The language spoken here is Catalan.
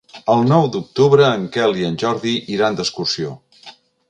El nou d'octubre en Quel i en Jordi iran d'excursió.